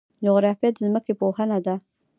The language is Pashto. جغرافیه د ځمکې پوهنه ده